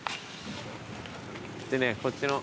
でねこっちの。